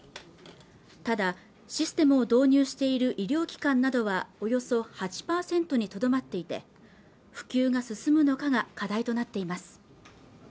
ただシステムを導入している医療機関などはおよそ８％にとどまっていて普及が進むのかが課題となっています